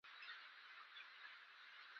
ارګ مېلمستون مو پرېښود.